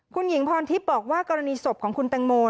คุณหญิงพรทิพย์บอกว่ากรณีศพของคุณแตงโม